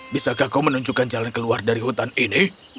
bisakah kau menunjukkan jalan keluar dari hutan ini